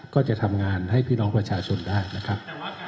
ก็จะทำงานให้พี่น้องประชาชนได้นะครับ